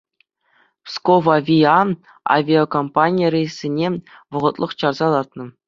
«Псковавиа» авиакомпани рейссене вӑхӑтлӑх чарса лартнӑ.